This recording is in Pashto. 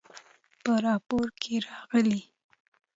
په راپور کې راغلي